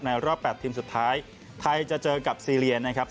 รอบ๘ทีมสุดท้ายไทยจะเจอกับซีเรียนะครับ